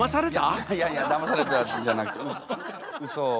いやいやいやだまされたじゃなくてうそうそから影響を。